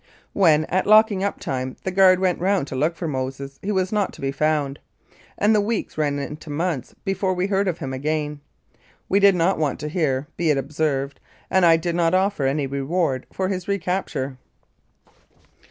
When at locking up time the guard went round to look for Moses he was not to be found, and the weeks ran into months before we heard of him again. We did not want to hear, be it observed, and I did not offer any reward for his recapture.